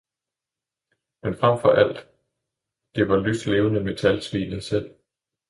men frem for alt, det var lyslevende metalsvinet selv.